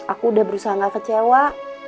aku udah berusaha gak kecewa